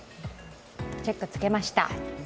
チェックつけました。